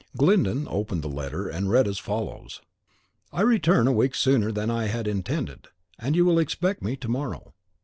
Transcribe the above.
Glyndon opened the letter, and read as follows: "I return a week sooner than I had intended, and you will expect me to morrow.